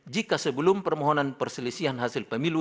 jika sebelum permohonan perselisihan hasil pemilu